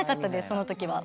その時は。